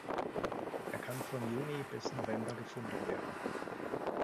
Er kann von Juni bis November gefunden werden.